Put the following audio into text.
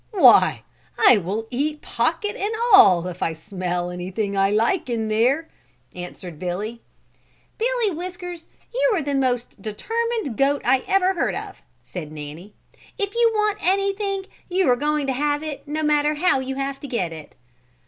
"Why, I will eat pocket and all if I smell anything in there I like," answered Billy. "Billy Whiskers, you are the most determined goat I ever heard of," said Nanny. "If you want anything you are going to have it, no matter how you have to get it."